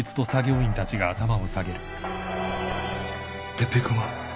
哲平君は？